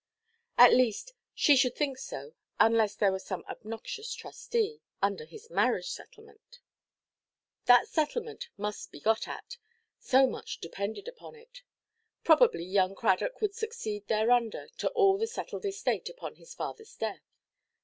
At least she should think so, unless there was some obnoxious trustee, under his marriage–settlement. That settlement must be got at; so much depended upon it. Probably young Cradock would succeed thereunder to all the settled estate upon his fatherʼs death.